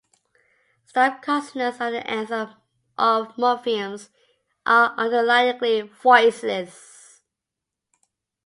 Stop consonants at the ends of morphemes are underlyingly voiceless.